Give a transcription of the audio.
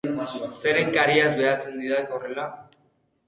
Zeren kariaz behatzen didak horrela?